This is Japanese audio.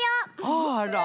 あら。